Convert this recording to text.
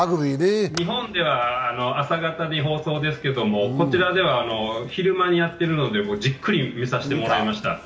日本では朝方に放送ですけど、こちらでは昼間にやってるので、じっくり見させてもらいました。